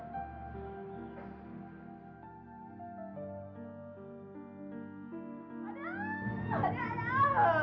bapak ini gimana sih